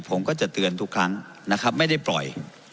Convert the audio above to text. ผมก็จะเตือนทุกครั้งนะครับไม่ได้ปล่อย